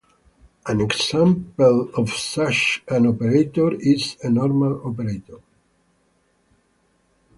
An example of such an operator is a normal operator.